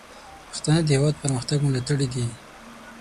پښتانه د هیواد د پرمختګ ملاتړي دي.